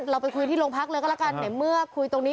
เราไปคุยที่โรงพักเลยก็แล้วกันในเมื่อคุยตรงนี้